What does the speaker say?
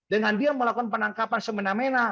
dengan dia melakukan penangkapan semena mena